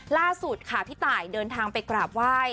ล่าสุดค่ะพี่ตายเดินทางไปกราบไหว้